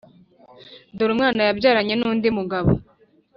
dore umwana yabyaranye n’undi mugabo